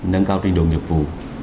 nâng cao trình độ nghiệp vụ